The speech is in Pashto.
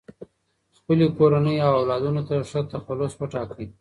خپلي کورنۍ او اولادونو ته ښه تخلص وټاکئ.